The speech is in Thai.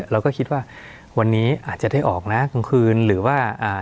เราก็คิดว่าวันนี้อาจจะได้ออกนะกลางคืนหรือว่าอ่า